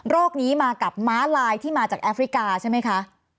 นี้มากับม้าลายที่มาจากแอฟริกาใช่ไหมคะ